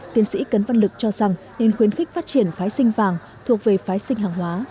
tiến sĩ cấn văn lực cho rằng nên khuyến khích phát triển phái sinh vàng thuộc về phái sinh hàng hóa